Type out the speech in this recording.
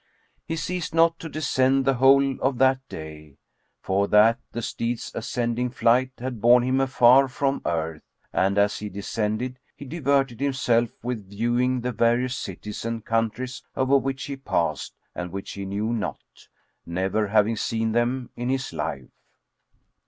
He ceased not to descend the whole of that day, for that the steed's ascending flight had borne him afar from the earth; and, as he descended, he diverted himself with viewing the various cities and countries over which he passed and which he knew not, never having seen them in his life.